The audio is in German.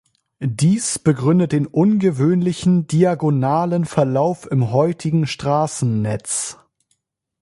Dies begründet den ungewöhnlichen diagonalen Verlauf im heutigen Straßennetz.